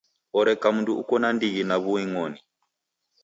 Oreka mndu uko na ndighi na w'uing'oni.